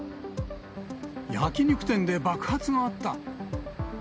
焼き肉店で爆発があった。